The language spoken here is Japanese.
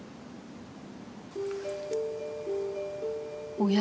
おや？